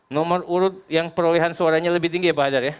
nomor urut yang perolehan suaranya lebih tinggi ya pak hadar ya